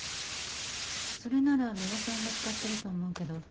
それならミワさんが使ってると思うけど。